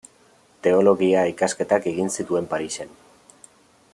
Teologia ikasketak egin zituen Parisen.